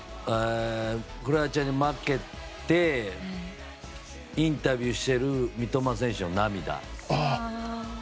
クロアチアに負けてインタビューしている三笘選手の涙。